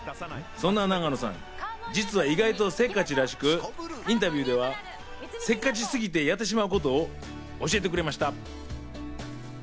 そんな永野さん、実は意外とせっかちらしく、インタビューでは、せっかちすぎてやってしまうことを教えてくれました。